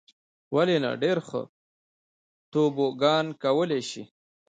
ولې نه. ډېر ښه توبوګان کولای شې.